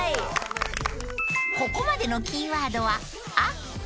［ここまでのキーワードは］